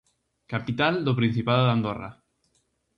Capital do Principado de Andorra.